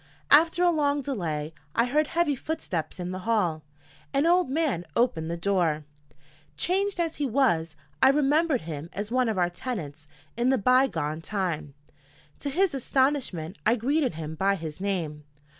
After a long delay, I heard heavy footsteps in the hall. An old man opened the door. Changed as he was, I remembered him as one of our tenants in the by gone time. To his astonishment, I greeted him by his name.